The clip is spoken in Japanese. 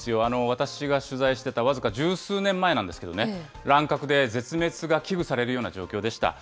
私が取材してた僅か十数年前なんですけどね、乱獲で絶滅が危惧されるような状況でした。